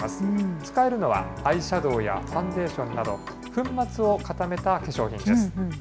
使えるのはアイシャドーやファンデーションなど、粉末を固めた化粧品です。